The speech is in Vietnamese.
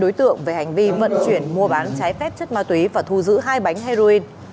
đối tượng về hành vi vận chuyển mua bán trái phép chất ma túy và thu giữ hai bánh heroin